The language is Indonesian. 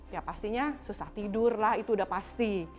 ya pastinya susah tidur lah itu udah pasti